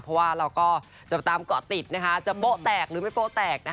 เพราะว่าเราก็จะตามเกาะติดนะคะจะโป๊ะแตกหรือไม่โป๊แตกนะคะ